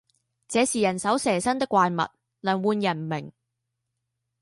这是人首蛇身的怪物，能唤人名